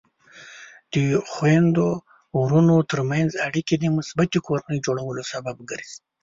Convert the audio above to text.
د خویندو ورونو ترمنځ اړیکې د مثبتې کورنۍ جوړولو سبب ګرځي.